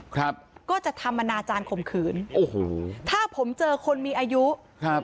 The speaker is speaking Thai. ครับก็จะทำอนาจารย์ข่มขืนโอ้โหถ้าผมเจอคนมีอายุครับ